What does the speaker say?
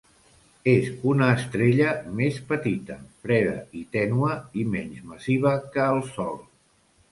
És una estrella més petita, freda i tènue i menys massiva que el Sol.